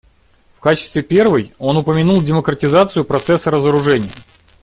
В качестве первой он упомянул демократизацию процесса разоружения.